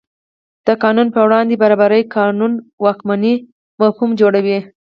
د قانون په وړاندې برابري قانون واکمنۍ مفهوم جوړوي.